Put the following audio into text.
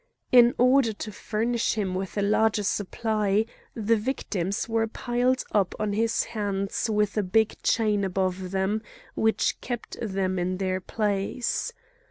In order to furnish him with a larger supply, the victims were piled up on his hands with a big chain above them which kept them in their place.